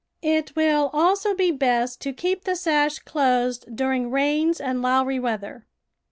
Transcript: It will also be best to keep the sash closed during rains and lowery weather.